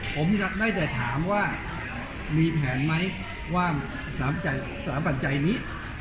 ผมได้แต่ถามว่ามีแผนไหมว่าสามปัจจัยสามปัจจัยนี้